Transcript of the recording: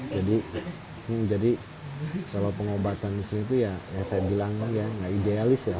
jadi kalau pengobatan ini saya bilang nggak idealis ya